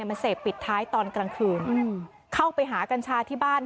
มันเสพปิดท้ายตอนกลางคืนเข้าไปหากัญชาที่บ้าน